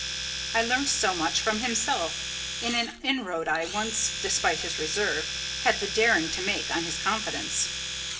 I learnt so much from himself in an inroad I once, despite his reserve, had the daring to make on his confidence.